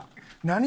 何？